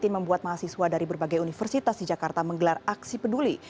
membuat mahasiswa dari berbagai universitas di jakarta menggelar aksi peduli